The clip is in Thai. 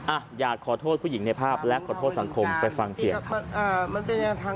อ่ะอยากขอโทษผู้หญิงในภาพและขอโทษสังคมไปฟังเสียงครับ